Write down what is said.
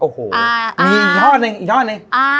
โอ้โหมียอดหนึ่ง